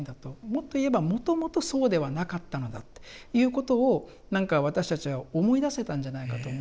もっと言えばもともとそうではなかったのだっていうことを何か私たちは思い出せたんじゃないかと思うんですよね。